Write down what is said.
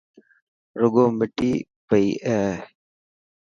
روگو مٺي پئي اي.